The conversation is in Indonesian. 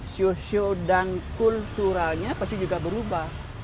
sosio dan kulturalnya pasti juga berubah